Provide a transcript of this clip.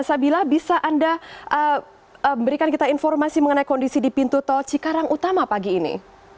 sabila bisa anda berikan kita informasi mengenai kondisi di pintu tol cikarang utama pagi ini